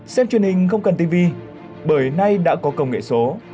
xem truyền hình không cần tv bởi nay đã có công nghệ số